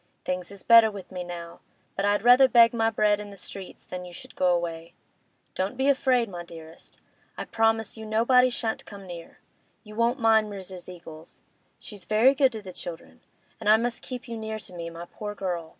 Things is better with me now, but I'd rather beg my bread in the streets than you should go away. Don't be afraid, my dearest. I promise you nobody shan't come near. You won't mind Mrs. Eagles; she's very good to the children. But I must keep you near to me, my poor girl!